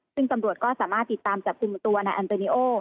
ซึ่งสำรวจก็สามารถติดตามจากฝีมือตัวนายออนโตเนีโอ